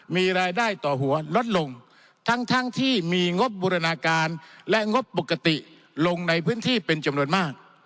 มีรายได้ต่อหัวลดลงทั้งทั้งที่มีงบบูรณาการและงบปกติลงในพื้นที่เป็นจำนวนมาก